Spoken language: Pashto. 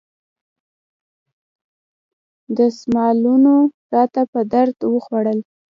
دستمالونو راته په درد وخوړل.